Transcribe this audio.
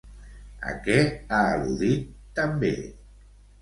A què ha al·ludit també?